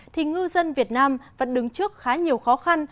thì ngư dân việt nam vẫn đứng trước khá nhiều khó khăn